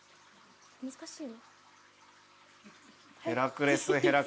難しい。